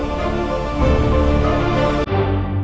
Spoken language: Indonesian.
dengan berlalu berkelakuan dan percaya kepada mama